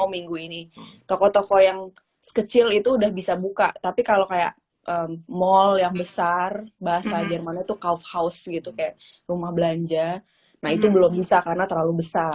minggu ini toko toko yang kecil itu udah bisa buka tapi kalau kayak mal yang besar bahasa jerman itu kalf house gitu kayak rumah belanja nah itu belum bisa karena terlalu besar